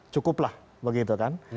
cukuplah begitu kan